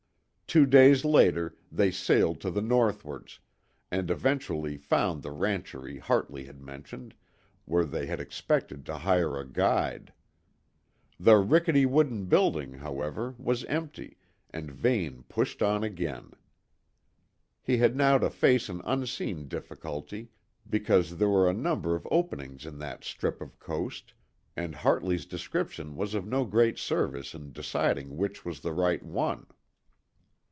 Two days later, they sailed to the northwards, and eventually found the rancherie Hartley had mentioned, where they had expected to hire a guide. The rickety wooden building, however, was empty, and Vane pushed on again. He had now to face an unseen difficulty because there were a number of openings in that strip of coast, and Hartley's description was of no great service in deciding which was the right one.